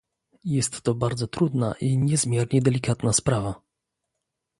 Jest to bardzo trudna i niezmiernie delikatna sprawa